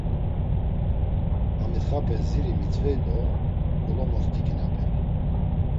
Amitxape ziri mitzvey do golomostiǩinapey.